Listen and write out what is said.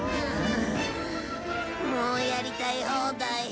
もうやりたい放題。